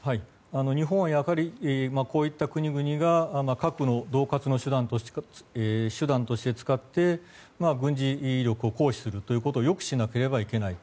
日本は、やはりこういった国々が核を恫喝の手段として使って軍事力を行使するということを予期しなければいけない。